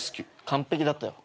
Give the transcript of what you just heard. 完璧だったよ。